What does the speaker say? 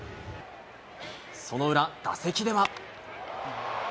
その裏、打席では。